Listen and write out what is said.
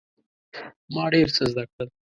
ما ډیر څه زده کړل.